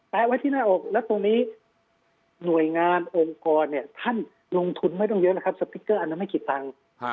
ไว้ที่หน้าอกแล้วตรงนี้หน่วยงานองค์กรเนี่ยท่านลงทุนไม่ต้องเยอะนะครับสติ๊กเกอร์อันนั้นไม่กี่ตังค์